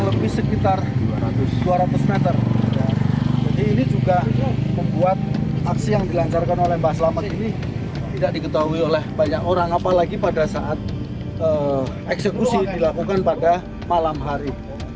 apalagi pada saat eksekusi dilakukan pada malam hari